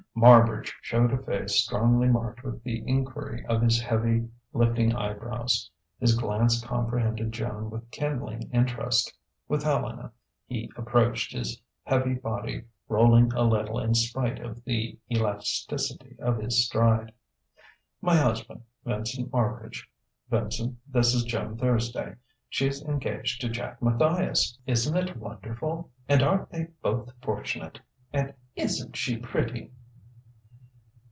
Marbridge showed a face strongly marked with the enquiry of his heavy, lifting eyebrows. His glance comprehended Joan with kindling interest. With Helena he approached, his heavy body rolling a little in spite of the elasticity of his stride. "My husband, Vincent Marbridge. Vincent, this is Joan Thursday. She's engaged to Jack Matthias. Isn't it wonderful? And aren't they both fortunate? And isn't she pretty?"